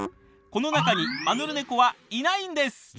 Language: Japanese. この中にマヌルネコはいないんです。